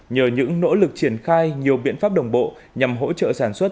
nhờ những nỗ lực triển khai nhiều biện pháp đồng bộ nhằm hỗ trợ sản xuất